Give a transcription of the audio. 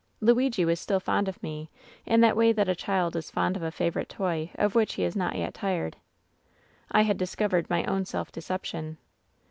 "Luigi was still fond of me in that way that a child is fond of a favorite toy of which he is not yet tired. "I had discovered my own self deception.